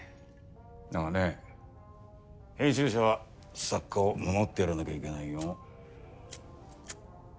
だがね編集者は作家を守ってやらなきゃいけないよ。